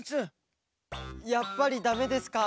やっぱりだめですか。